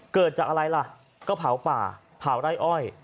เกิดจากอะไรล่ะก็เผาป่าเผาไร่อ้อย